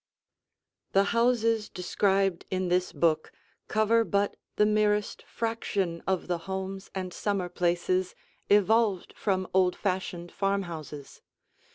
The houses described in this book cover but the merest fraction of the homes and summer places evolved from old fashioned farmhouses.